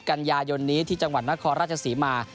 ๒๓๓๐กันยายนที่จังหวัดห์นครรภาชศรีมา